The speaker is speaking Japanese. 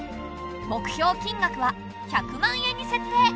目標金額は１００万円に設定。